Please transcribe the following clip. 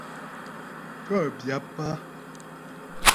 Kə́ pyáp á.